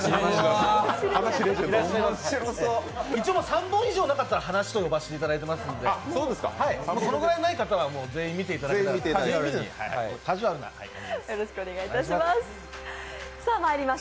一応、もう３本以上なかったら「歯無し」と呼ばせていただいてるんでそのぐらいない方はもう全員見ていただいたらと思います。